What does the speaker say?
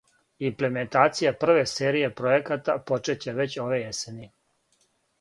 Имплементација прве серије пројеката почеће већ ове јесени.